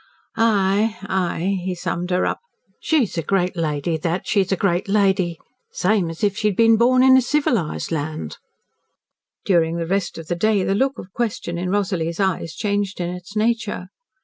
"Ay! Ay!" he summed her up. "She's a great lady that she's a great lady same as if she'd been born in a civilised land." During the rest of the day the look of question in Rosalie's eyes changed in its nature.